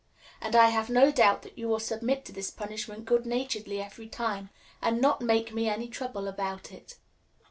And I have no doubt that you will submit to this punishment good naturedly every time, and not make me any trouble about it."